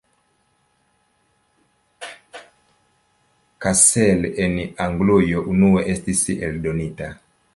Cassell en Anglujo unue estis eldonita.